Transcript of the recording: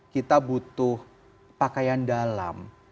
kita butuh pakaian dalam